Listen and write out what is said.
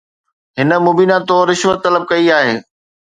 هن مبينا طور رشوت طلب ڪئي آهي